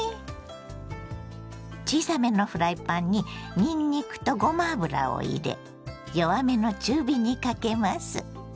小さめのフライパンににんにくとごま油を入れ弱めの中火にかけます。